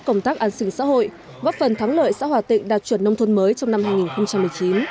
công tác an sinh xã hội góp phần thắng lợi xã hòa tịnh đạt chuẩn nông thôn mới trong năm hai nghìn một mươi chín